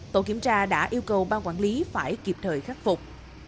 tổ kiểm tra đã yêu cầu ban quản lý phải kịp thời khắc phục